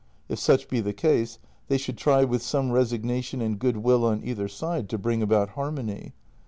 If such be the case, they should try with some resignation and goodwill on either side to bring about harmony.